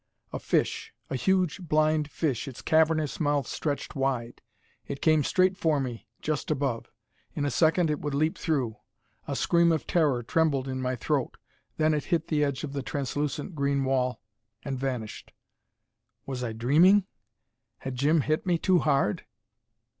A fish, a huge, blind fish, its cavernous mouth stretched wide. It came straight for me, just above. In a second it would leap through. A scream of terror trembled in my throat. Then it hit the edge of the translucent green wall and vanished! Was I dreaming? Had Jim hit me too hard?